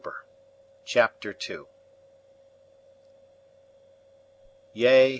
CHAPTER II. Yea!